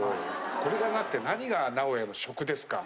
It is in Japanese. これがなくて何が名古屋の食ですか。